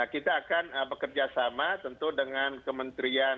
kita akan bekerjasama tentu dengan kementerian